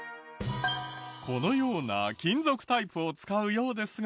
このような金属タイプを使うようですが。